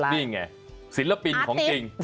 นี่ไงศิลปินของจริง